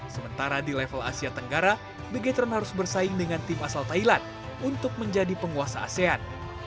sementara di level asia tenggara beachtron harus bersaing dengan tim asal thailand untuk menjadi penguasa asean